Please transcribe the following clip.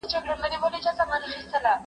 دا کتاب د نړۍ خلکو ته پیغام لري.